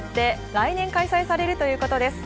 来年開催されるということです。